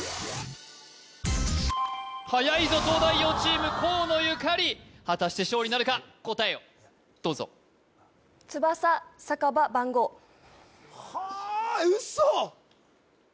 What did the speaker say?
はやいぞ東大王チーム河野ゆかり果たして勝利なるか答えをどうぞはウソ！？